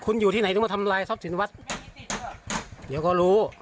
คุณอยู่ที่ไหนต้องมาทำลายทรัพย์ศิลป์วัดไม่มีสิทธิ์เวิร์ดเดี๋ยวก็รู้